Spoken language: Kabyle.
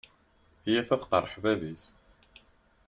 Tiyita tqeṛṛeḥ bab-is.